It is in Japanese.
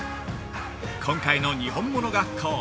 今回の「にほんもの学校」